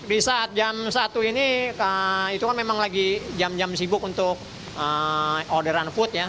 di saat jam satu ini itu kan memang lagi jam jam sibuk untuk orderan food ya